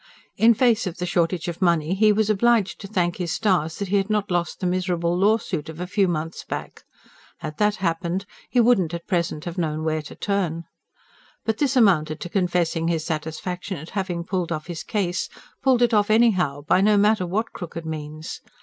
In face of the shortage of money, he was obliged to thank his stars that he had not lost the miserable lawsuit of a few months back. Had that happened, he wouldn't at present have known where to turn. But this amounted to confessing his satisfaction at having pulled off his case, pulled it off anyhow, by no matter what crooked means.